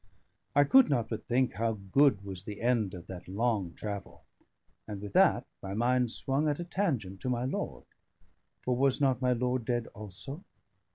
I could not but think how good was the end of that long travel; and with that, my mind swung at a tangent to my lord. For was not my lord dead also?